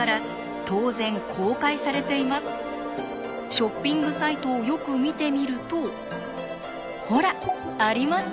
ショッピングサイトをよく見てみるとほらありました！